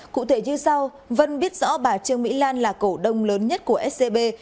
cụ thể như sau vân biết rõ bà trương mỹ lan là cổ đông lớn nhất của scb